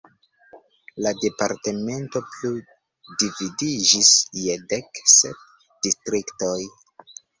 La departemento plu dividiĝis je dek sep distriktoj.